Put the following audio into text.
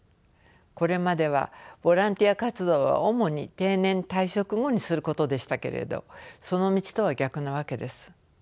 これまではボランティア活動は主に定年退職後にすることでしたけれどその道とは逆なわけです。